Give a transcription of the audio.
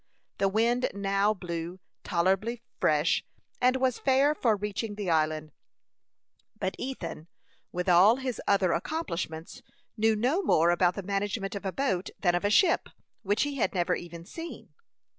The wind now blew tolerably fresh, and was fair for reaching the island; but Ethan, with all his other accomplishments, knew no more about the management of a boat than of a ship, which he had never even seen.